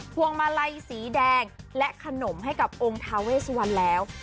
พวงมาลัยสีแดงและขนมให้กับองค์ทาเวสวันแล้ว